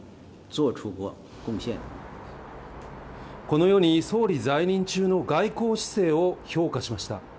このように総理在任中の外交姿勢を評価しました。